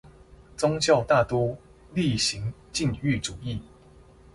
宗教大都厲行禁欲主義